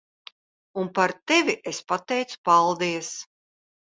Un par tevi es pateicu paldies.